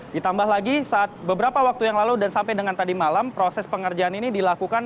ditambah lagi saat beberapa waktu yang lalu dan sampai dengan tadi malam proses pengerjaan ini dilakukan